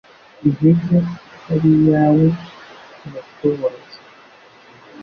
Intenge itari iyawe, uratoboroza